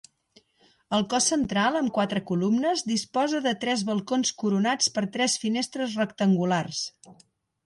El cos central, amb quatre columnes, disposa de tres balcons coronats per tres finestres rectangulars.